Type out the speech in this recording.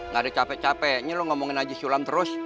ga ada capek capeknya lu ngomongin aja sulam terus